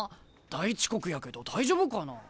大遅刻やけど大丈夫かな？